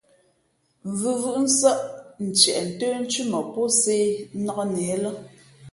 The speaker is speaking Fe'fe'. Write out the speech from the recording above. Vʉvʉ́ʼ nsάʼ ntieʼ ntə́nthʉ́ mα pō sē nnāk nehē lά.